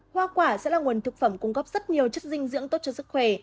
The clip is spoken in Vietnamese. hoa quả sẽ là nguồn thực phẩm cung cấp rất nhiều chất dinh dưỡng tốt cho sức khỏe